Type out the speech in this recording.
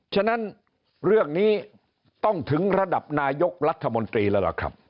ฉะนั้นเรื่องนี้ต้องถึงระดับนายกรัฐมนตรีแล้วล่ะครับ